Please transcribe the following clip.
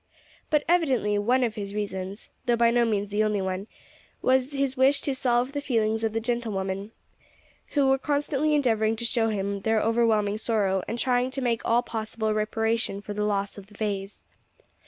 But evidently one of his reasons though by no means the only one was his wish to salve the feelings of the gentlewomen, who were constantly endeavoring to show him their overwhelming sorrow, and trying to make all possible reparation for the loss of the vase.